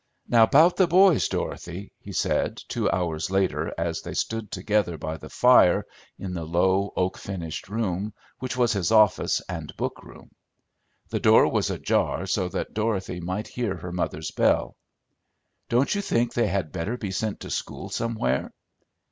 "Now about the boys, Dorothy," he said, two hours later, as they stood together by the fire in the low, oak finished room, which was his office and book room. The door was ajar so that Dorothy might hear her mother's bell. "Don't you think they had better be sent to school somewhere?"